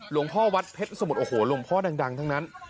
หลวงพ่อวัดเพชรสมุทรโอ้โหหลวงพ่อดังทั้งนั้น